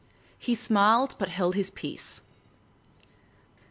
He smiled, but held his peace.